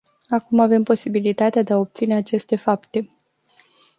Acum avem posibilitatea de a obține aceste fapte.